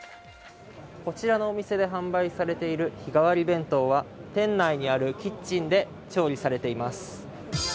こちらのお店で販売されている日替わり弁当は店内にあるキッチンで調理されています。